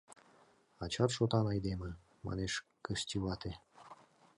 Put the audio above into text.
— Ачат шотан айдеме, — манеш Кысти вате.